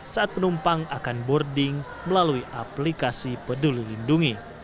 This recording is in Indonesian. saat penumpang akan boarding melalui aplikasi peduli lindungi